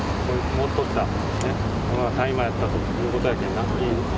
持っとったものが大麻やったということやけんな。